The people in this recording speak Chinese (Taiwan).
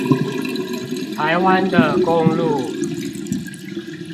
臺灣的公路